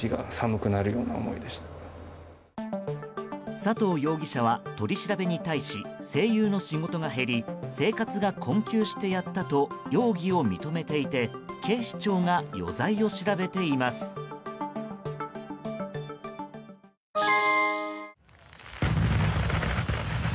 佐藤容疑者は、取り調べに対し声優の仕事が減り生活が困窮してやったと容疑を認めていて警視庁が余罪を調べています。